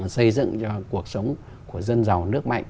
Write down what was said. xây dựng cho cuộc sống của dân giàu nước mạnh